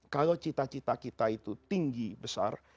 kalau cita cita kita itu tinggi besar